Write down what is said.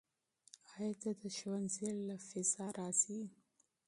آیا ته د ښوونځي له فضا راضي یې؟